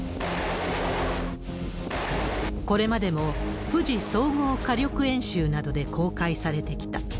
これまでも、富士総合火力演習などで公開されてきた。